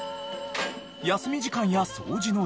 休み時間や掃除の時間